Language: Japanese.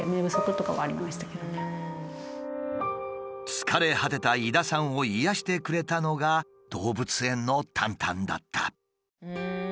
疲れ果てた井田さんを癒やしてくれたのが動物園のタンタンだった。